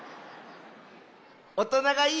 おとながいい？